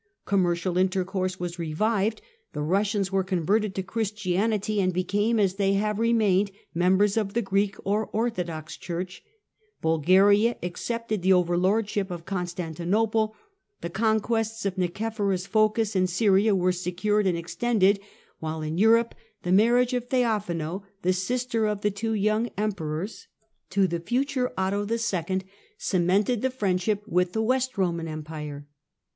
Com mercial intercourse was revived; the Eussians were converted to Christianity, and became, as they have remained, members of the Greek or Orthodox Church. Bulgaria accepted the overlordship of Constantinople ; the conquests of Nicephorus Phocas in Syria were secured and extended, while in Europe the marriage of Theo phano, the sister of the two young Emperors, to the 5 66 THE CENTRAL PERIOD OF THE MIDDLE AGE Conquest of Bulgaria future Otto II. (see p. 15), cemented the friendship with the West Roman Empire.